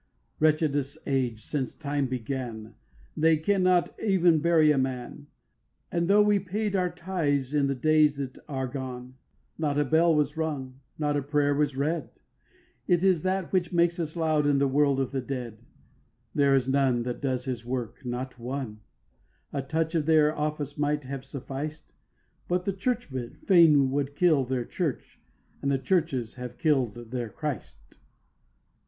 2. Wretchedest age, since Time began, They cannot even bury a man; And tho' we paid our tithes in the days that are gone, Not a bell was rung, not a prayer was read; It is that which makes us loud in the world of the dead; There is none that does his work, not one; A touch of their office might have sufficed, But the churchmen fain would kill their church, As the churches have kill'd their Christ.